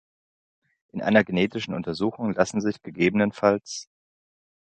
In einer genetischen Untersuchung lassen sich ggf.